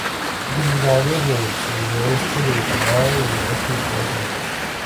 Es originario del sudoeste de Canadá y oeste de Estados Unidos.